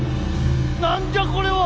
なんじゃこれは！